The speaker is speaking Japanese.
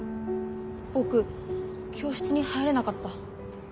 僕教室に入れなかった。